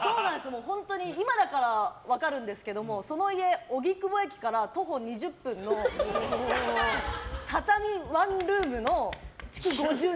今だから分かるんですけどその家、荻窪駅から徒歩２０分の畳ワンルームの築５０年。